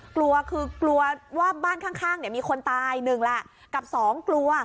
กลัวคือกลัวว่าบ้านข้างมีคนตาย๑แล้วกับ๒กลัว